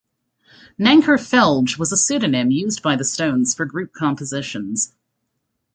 "Nanker Phelge" was a pseudomyn used by the Stones for group compositions.